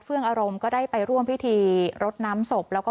อารมณ์ก็ได้ไปร่วมพิธีรดน้ำศพแล้วก็